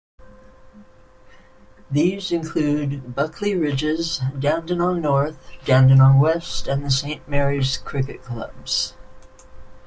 These include Buckley Ridges, Dandenong North, Dandenong West, and the Saint Mary's Cricket Clubs.